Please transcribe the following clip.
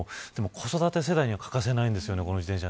子育て世代には欠かせないんですよね